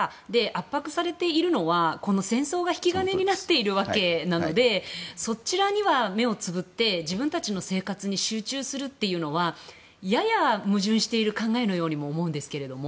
圧迫されているのは、戦争が引き金になっているわけなのでそちらには目をつぶって自分たちの生活に集中するというのはやや矛盾している考えのようにも思うんですけれども。